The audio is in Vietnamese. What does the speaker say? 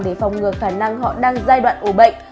để phòng ngừa khả năng họ đang giai đoạn ủ bệnh